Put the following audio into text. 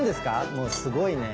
もうすごいね。